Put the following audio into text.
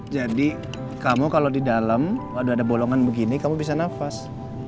jadi kamu kalau di dalam ada ada bolongan begini kamu bisa nafas